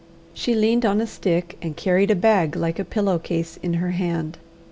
She leaned on a stick, and carried a bag like a pillow case in her hand.